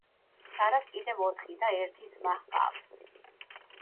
სარას კიდევ ოთხი და და ერთი ძმა ჰყავს.